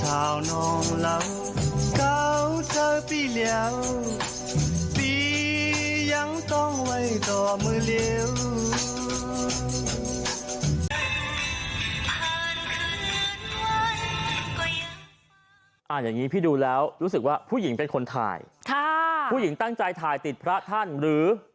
อย่างนี้พี่ดูแล้วรู้สึกว่าผู้หญิงเป็นคนถ่ายค่ะผู้หญิงตั้งใจถ่ายติดพระท่านหรือ